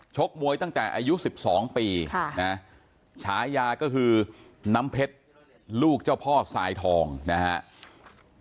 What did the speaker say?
ชกมวยตั้งแต่อายุ๑๒ปีฉายาก็คือน้ำเพชรลูกเจ้าพ่อสายทองนะครับ